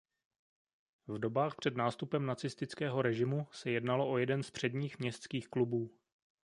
V dobách před nástupem nacistického režimu se jednalo o jeden z předních městských klubů.